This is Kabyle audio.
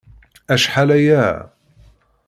Acḥal aya.